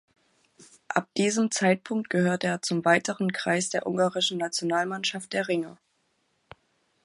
Ab diesem Zeitpunkt gehörte er zum weiteren Kreis der ungarischen Nationalmannschaft der Ringer.